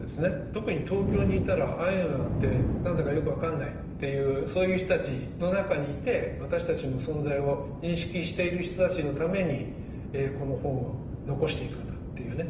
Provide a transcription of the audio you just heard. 特に東京にいたらアイヌなんて何だかよく分かんないっていうそういう人たちの中にいて私たちの存在を認識している人たちのためにこの本を残していくんだっていうね